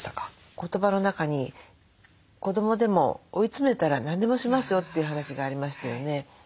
言葉の中に「子どもでも追い詰めたら何でもしますよ」という話がありましたよね。